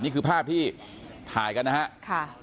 นี่คือภาพที่ถ่ายกันนะครับ